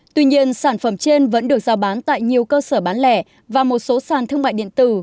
tuy nhiên sản phẩm trên vẫn được giao bán tại nhiều cơ sở bán lẻ và một số sàn thương mại điện tử